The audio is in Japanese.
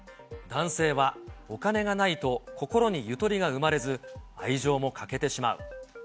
男性はお金がないと心にゆとりが生まれず、愛情も欠けてしまう。